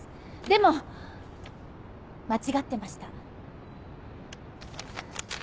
でも間違ってました。